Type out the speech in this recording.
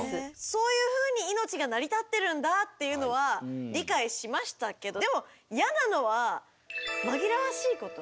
そういうふうに命が成り立ってるんだっていうのは理解しましたけどでも嫌なのは紛らわしいこと。